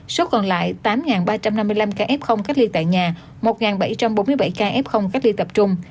số còn lại tám ba trăm năm mươi năm ca f cách ly tại nhà một bảy trăm bốn mươi bảy ca f cách ly tập trung